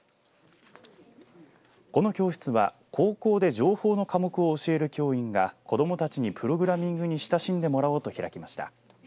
この教室は高校で情報の科目を教える教員が子どもたちにプログラミングに親しんでもらおうと開きました。